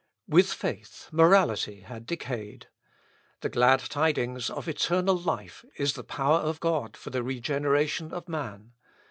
With faith morality had decayed. The glad tidings of eternal life is the power of God for the regeneration of man.